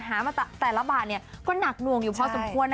หามาแต่ละบาทก็หนักหน่วงอยู่พอสมควร